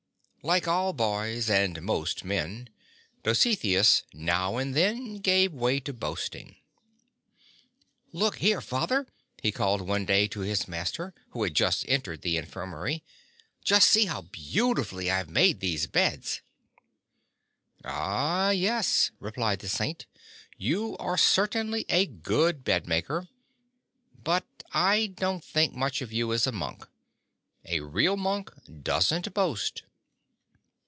Like all boys, and most men, Dositheus now and then gave way to boasting. 'Took here. Father!" he called one day to his master, who had just entered the infirmary, "just see how beauti fully I have made these beds!" "Ah, yes," replied the Saint; "you are certainly a good bed maker. But I don't think much of you as a monk. A real monk doesn't boast."